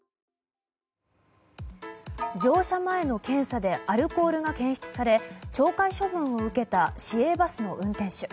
乗車前の検査でアルコールが検出され懲戒処分を受けた市営バスの運転手。